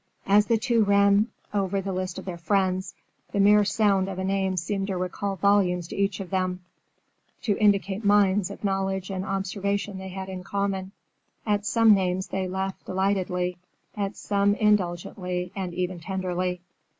As the two ran over the list of their friends, the mere sound of a name seemed to recall volumes to each of them, to indicate mines of knowledge and observation they had in common. At some names they laughed delightedly, at some indulgently and even tenderly.